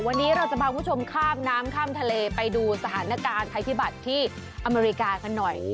วันนี้เราจะพาคุณผู้ชมข้ามน้ำข้ามทะเลไปดูสถานการณ์ภัยพิบัติที่อเมริกากันหน่อย